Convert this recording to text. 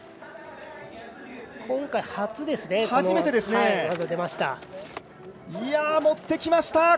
今回、初の技が出ました。